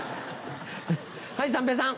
はい三平さん。